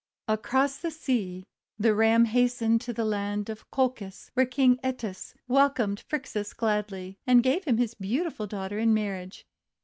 Across the sea, the Ram hastened to the land of Colchis, where King ^Eetes welcomed Phrixus gladly, and gave him his beautiful daughter in marriage.